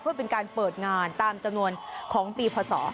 เพื่อเป็นการเปิดงานตามจำนวนของปีพศ